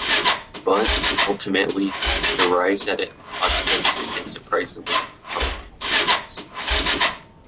But, ultimately, it arrives at an authentic and surprisingly powerful place.